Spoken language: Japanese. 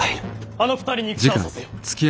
あの２人に戦をさせよ。